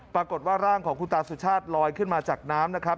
ปรากฏว่าร่างของคุณตาสุชาติลอยขึ้นมาจากน้ำนะครับ